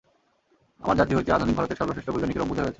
আমার জাতি হইতেই আধুনিক ভারতের সর্বশ্রেষ্ঠ বৈজ্ঞানিকের অভ্যুদয় হইয়াছে।